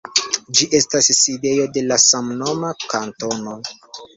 Ĝi estas sidejo de la samnoma kantono.